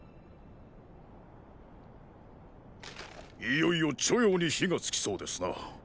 いよいよ“著雍”に火がつきそうですな。